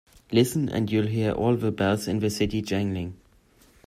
Listen and you'll hear all the bells in the city jangling.